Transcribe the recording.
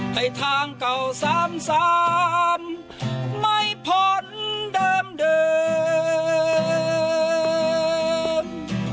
ให้ทางเก่า๓๓ไม่พ้นเดิม